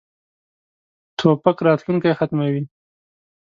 توپک راتلونکی ختموي.